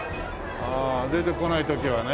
ああ出てこない時はね。